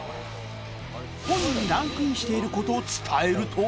本人にランクインしている事を伝えると